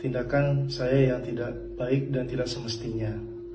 tindakan saya yang tidak baik dan tidak semestinya